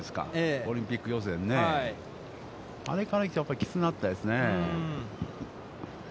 オリンピック予選で、あれからやっぱりきつくなったですね。